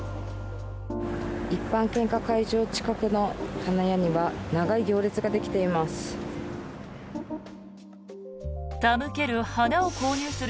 一般献花会場近くの花屋には長い行列ができています。